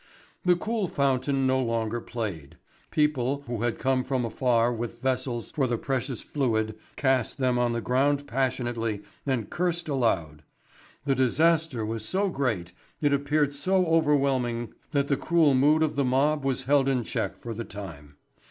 The cool fountain no longer played. People who had come from afar with vessels for the precious fluid cast them on the ground passionately and cursed aloud. The disaster was so great, it appeared so overwhelming that the cruel mood of the mob was held in check for the time.